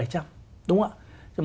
đúng không ạ